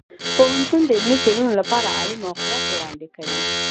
پوهنتون د علمي څیړنو لپاره عالي موقعیت وړاندې کوي.